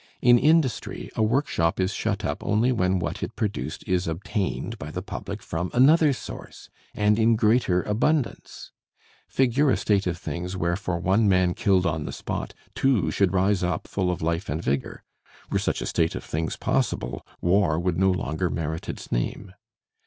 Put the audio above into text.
In industry, a workshop is shut up only when what it produced is obtained by the public from another source and in greater abundance. Figure a state of things where for one man killed on the spot two should rise up full of life and vigor. Were such a state of things possible, war would no longer merit its name.